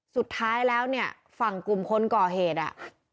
สุดท้ายแล้วเนี่ยฝั่งกลุ่มคนก่อเหตุอ่ะ